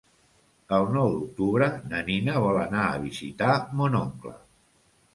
El nou d'octubre na Nina vol anar a visitar mon oncle.